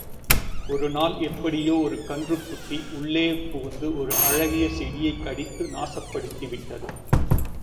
ஒருநாள் எப்படியோ ஒரு கன்றுக்குட்டி உள்ளே புகுந்து ஒரு அழகிய செடியைக் கடித்து நாசப்படுத்தி விட்டது.